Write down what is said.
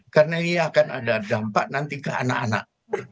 karena ini akan ada dampak nanti ke anak anak